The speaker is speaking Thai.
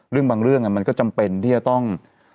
บางเรื่องมันก็จำเป็นที่จะต้อง